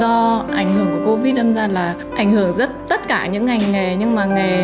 do ảnh hưởng của covid đâm ra là ảnh hưởng rất tất cả những ngành nghề